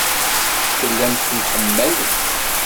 Tellamt temḥemmalemt.